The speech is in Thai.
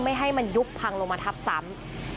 ให้มันยุบพังลงมาทับซ้ำ